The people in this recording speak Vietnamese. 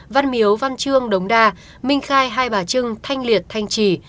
văn miếu văn trương đống đa minh khai hai bà trưng thanh liệt thanh trì